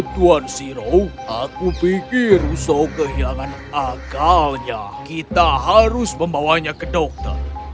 tuan siro aku pikir russo kehilangan akalnya kita harus membawanya ke dokter